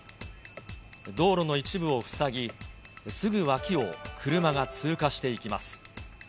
道路の一部を塞ぎ、すぐ脇を車が通過していきます。